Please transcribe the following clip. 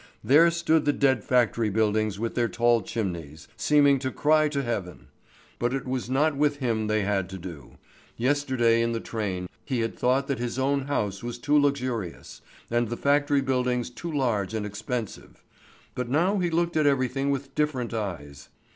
There stood the dead factory buildings with their tall chimneys, seeming to cry to heaven; but it was not with him they had to do. Yesterday in the train he had thought that his own house was too luxurious, and the factory buildings too large and expensive; but now he looked at everything with different eyes.